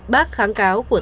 bác kháng cáo